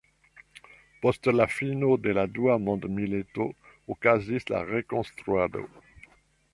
Post la fino de la Dua Mondmilito okazis la rekonstruado.